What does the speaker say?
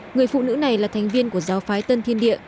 người phụ nữ này là thành viên của giáo phái tân thiên địa